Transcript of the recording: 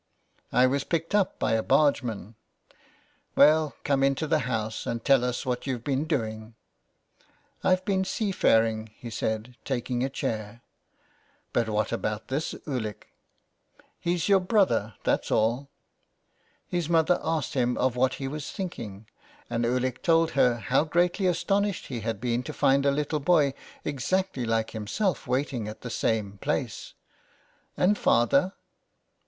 *' I was picked up by a bargeman." " Well, come into the house and tell us what you've been doing." " I've been seafaring," he said, taking a chair, '' But what about this Ulick ?" 295 so ON HE FARES. " He's your brother, that's all." His mother asked him of what he was thinking, and Ulick told her how greatly astonished he had been to find a little boy exactly like himself, waiting at the same place. "And father?"